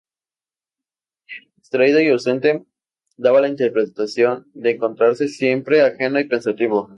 Distraído y ausente, daba la impresión de encontrarse siempre ajeno y pensativo.